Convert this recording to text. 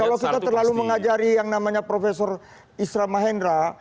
kalau kita terlalu mengajari yang namanya profesor isra mahendra